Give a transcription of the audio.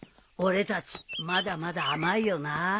俺たちまだまだ甘いよな。